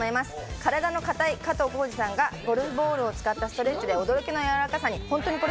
体の硬い加藤浩次さんがゴルフボールを使ったストレッチで驚きのやわらかさに。